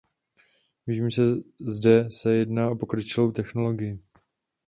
Vím, že zde se jedná o pokročilou technologii.